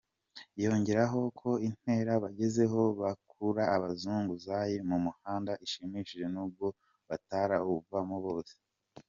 Yongeraho ko intera bagezeho bakura abazunguzayi mu muhanda ishimishije n’ubwo batarawuvamo bose.